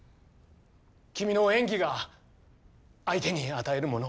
君の演技が相手に与えるもの。